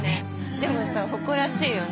でもさ誇らしいよね